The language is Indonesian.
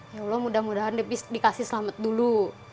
ya allah mudah mudahan dikasih selamat dulu